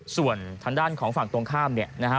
ส่วนทางด้านของฝั่งตรงข้ามเนี่ยนะฮะ